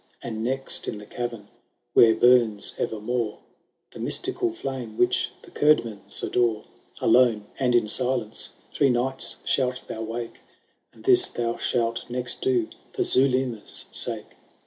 " And, next, in the cavern, where burns evermore The mystical flame which the Curdmans adore, Alone, and iu silence, three nights shalt thou wake ; And this thou shalt next do for Zulema's sake.